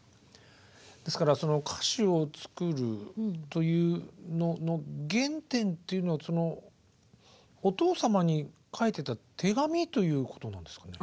ですからその歌詞を作るというのの原点っていうのはお父様に書いてた手紙ということなんですかね？